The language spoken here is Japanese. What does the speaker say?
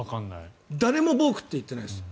誰もボークって言っていないです。